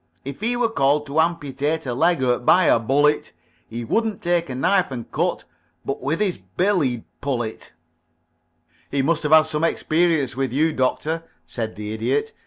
"If he were called to amputate A leg hurt by a bullet, He wouldn't take a knife and cut But with his bill he'd pull it." "He must have had some experience with you, Doctor," said the Idiot.